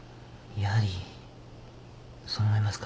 やはりそう思いますか？